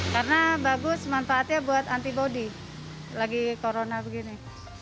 karena bagus manfaatnya buat antibody lagi corona begini